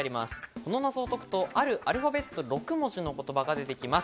この謎を解くと、あるアルファベット６文字の言葉が出てきます。